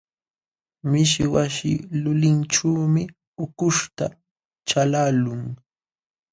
Mishi wasi lulinćhuumi ukuśhta chalaqlun.